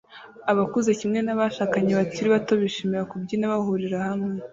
Abakuze kimwe nabashakanye bakiri bato bishimira kubyina bahurira hamwe